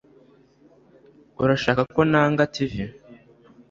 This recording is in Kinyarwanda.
Urashaka ko nanga TV